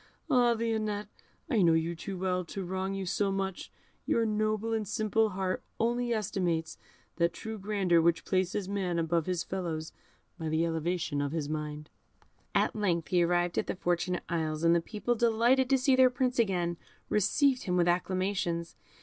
Ah! Lionette, I know you too well to wrong you so much; your noble and simple heart only estimates that true grandeur which places man above his fellows by the elevation of his mind." At length he arrived at the Fortunate Isles, and the people, delighted to see their Prince again, received him with acclamations.